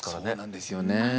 そうなんですよね。